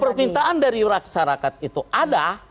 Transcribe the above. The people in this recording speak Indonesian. kalau permintaan dari rakyat itu ada